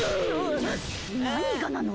何がなの？